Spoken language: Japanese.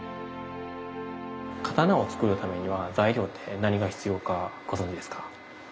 刀を作るためには材料って何が必要かご存じですか？